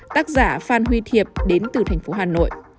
tác giả phan huy thiệp đến từ thành phố hà nội